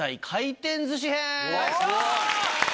回転ずし編。